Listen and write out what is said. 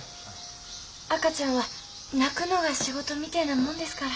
赤ちゃんは泣くのが仕事みてえなもんですから。